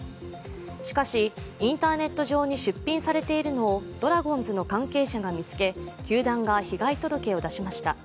しかし、インターネット上に出品されているのをドラゴンズの関係者が見つけ球団が被害届を出しました。